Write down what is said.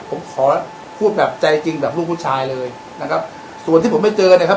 ผมขอพูดแบบใจจริงแบบลูกผู้ชายเลยนะครับส่วนที่ผมไม่เจอนะครับ